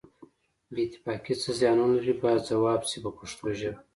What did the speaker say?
بې اتفاقي څه زیانونه لري باید ځواب شي په پښتو ژبه.